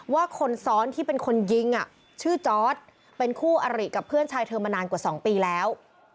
ว่าคนซ้อนที่เป็นคนยิงชื่อจอร์ดเป็นคู่อริกับเพื่อนชายเธอมานานกว่า๒ปีแล้ว